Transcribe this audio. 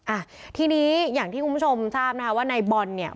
อ่ะทีนี้อย่างที่คุณผู้ชมทราบนะคะว่าในบอลเนี่ย